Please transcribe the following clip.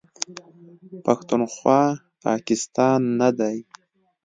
پښتونخوا، پاکستان نه دی.